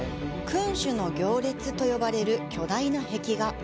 「君主の行列」と呼ばれる巨大な壁画。